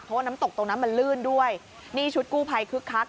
เพราะว่าน้ำตกตรงนั้นมันลื่นด้วยนี่ชุดกู้ภัยคึกคัก